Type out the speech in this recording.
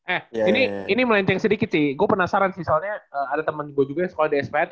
eh ini melenceng sedikit sih gue penasaran sih soalnya ada temen gue juga yang sekolah di spn